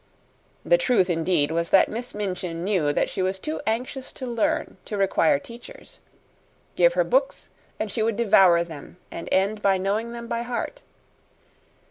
The truth, indeed, was that Miss Minchin knew that she was too anxious to learn to require teachers. Give her books, and she would devour them and end by knowing them by heart.